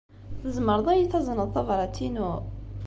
Tzemreḍ ad iyi-tazneḍ tabṛat-inu?